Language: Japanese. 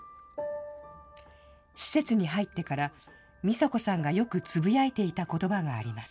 施設に入ってから、ミサ子さんがよくつぶやいていたことばがあります。